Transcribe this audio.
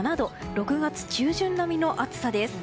６月中旬並みの暑さです。